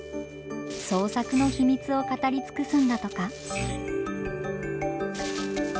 創作の秘密を語り尽くすんだとか。